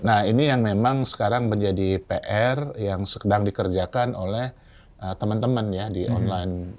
nah ini yang memang sekarang menjadi pr yang sedang dikerjakan oleh teman teman ya di online